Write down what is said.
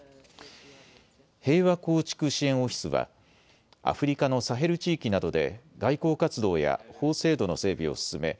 平和構築支援オフィスはアフリカのサヘル地域などで外交活動や法制度の整備を進め